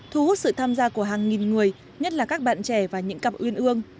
thu hút sự tham gia của hàng nghìn người nhất là các bạn trẻ và những cặp uyên ương